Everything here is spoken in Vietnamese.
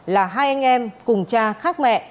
là hai anh em cùng cha khác mẹ